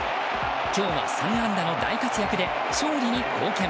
今日は３安打の大活躍で勝利に貢献。